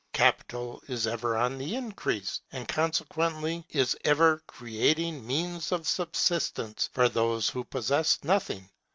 Capital is ever on the increase, and consequently is ever creating means of subsistence for those who possess nothing.